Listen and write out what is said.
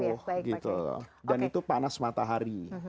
baik pak dan itu panas matahari